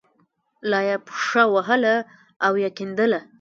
لا یې پښه وهله او یې کیندله.